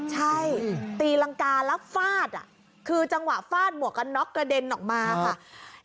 ใช่ตีรังกาแล้วฟาดคือจังหวะฟาดหมวกกันน็อกกระเด็นออกมาค่ะ